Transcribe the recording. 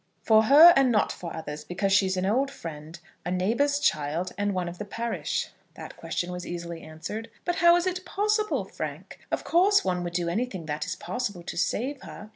"For her and not for others, because she is an old friend, a neighbour's child, and one of the parish." That question was easily answered. "But how is it possible, Frank? Of course one would do anything that it is possible to save her.